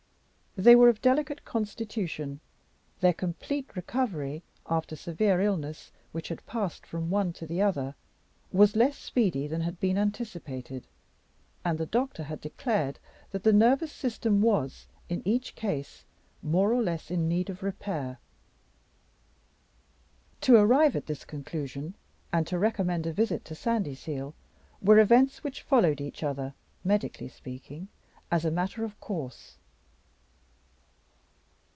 They were of delicate constitution; their complete recovery, after severe illness which had passed from one to the other, was less speedy than had been anticipated; and the doctor had declared that the nervous system was, in each case, more or less in need of repair. To arrive at this conclusion, and to recommend a visit to Sandyseal, were events which followed each other (medically speaking) as a matter of course.